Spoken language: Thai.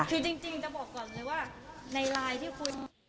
คือจริงจะบอกก่อนเลยว่าในไลน์ที่คุณ